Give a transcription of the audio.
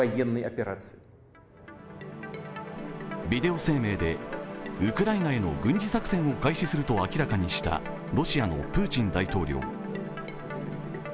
ビデオ声明でウクライナへの軍事作戦を開始すると明らかにしたロシアのプーチン大統領。